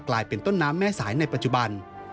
กลายเป็นต้นน้ำแม่สายในปัจจุบัน